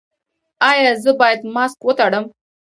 ایا زه باید ماسک وتړم؟